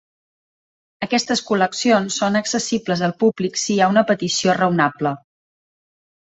Aquestes col·leccions són accessibles al públic si hi ha una petició raonable.